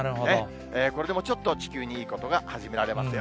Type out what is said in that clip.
これでもちょっと地球にいいことが始められますよ。